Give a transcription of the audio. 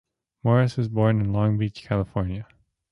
Morris was born in Long Beach, California.